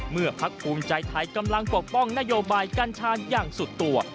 พักภูมิใจไทยกำลังปกป้องนโยบายกัญชาอย่างสุดตัว